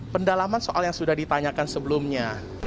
pendalaman soal yang sudah ditanyakan sebelumnya